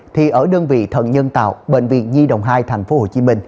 thì ở đơn vị thần nhân tạo bệnh viện di đồng hai tp hcm